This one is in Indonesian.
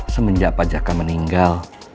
semenjak pajaka meninggal